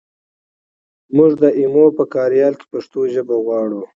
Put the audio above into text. مونږ د ایمو په کاریال کې پښتو ژبه غواړو